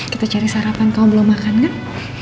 kita cari sarapan kau belum makan kan